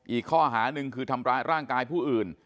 อีกข้อหาหนึ่งคือทำร้ายร่างกายผู้อื่น